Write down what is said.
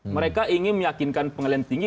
mereka ingin meyakinkan pengadilan tinggi